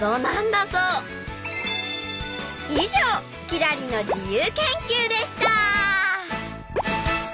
以上「きらりの自由研究」でした！